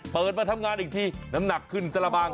เปิดมาทำงานอีกทีน้ำหนักขึ้นสารบัง